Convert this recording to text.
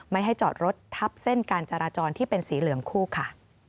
ไม่ให้จอดรถทับเส้นการจราจรที่เป็นสีเหลืองคู่ค่ะ